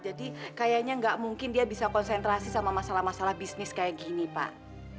jadi kayaknya gak mungkin dia bisa konsentrasi sama masalah masalah bisnis kayak gini pak